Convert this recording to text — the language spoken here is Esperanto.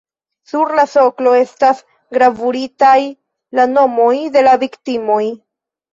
Sur la soklo estas gravuritaj la nomoj de la viktimoj.